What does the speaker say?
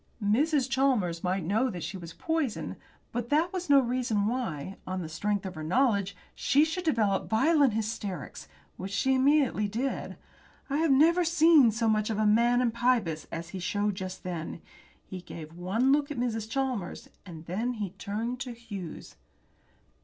Mrs. Chalmers might know that she was poisoned, but that was no reason why, on the strength of her knowledge, she should develope violent hysterics, which she immediately did. I had never seen so much of the man in Pybus as he showed just then. He gave one look at Mrs. Chalmers, and then he turned to Hughes.